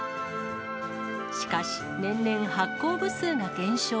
しかし年々、発行部数が減少。